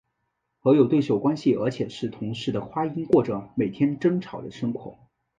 和有对手关系而且是同室的花音过着每天争吵的生活。